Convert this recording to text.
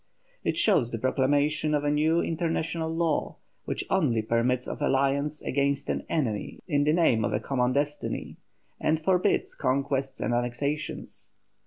It shows the proclamation of a new international law, which only permits of alliance against an enemy in the name of a common destiny, and forbids conquests and annexations.